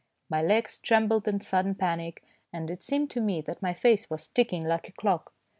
My legs trembled in sudden panic, and it seemed to me that my face was ticking like a clock.